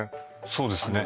そうですね